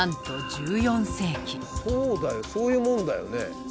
そうだよそういうもんだよね。